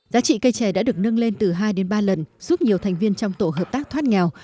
giá trị cây trẻ đã được nâng lên từ hai đến ba lần giúp nhiều thành viên trong tổ hợp tác thoát nghèo